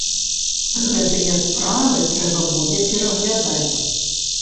Гэтыя справы трэба будзе пераглядаць.